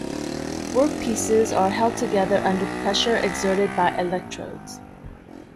Work-pieces are held together under pressure exerted by electrodes.